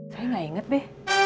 saya gak inget be